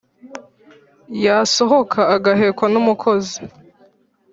yasohoka agahekwa n’umukozi,